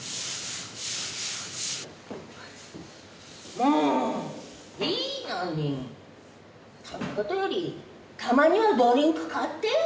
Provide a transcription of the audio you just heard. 「もう！いいのにそんなことよりたまにはドリンク買ってよ！」